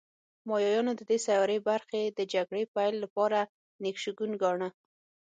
مایایانو د دې سیارې برخې د جګړې پیل لپاره نېک شګون گاڼه